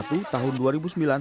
dan diperhatikan dalam undang undang